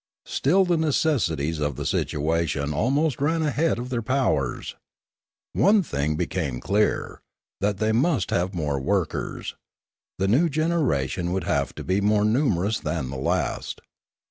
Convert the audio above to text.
Still the necessities of the situation almost ran ahead of their powers. One thing became clear, that they must have more workers; the new generation would have to be more numerous than the last.